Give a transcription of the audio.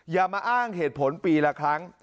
อย่ามาอ้างเหตุผลปีละครั้ง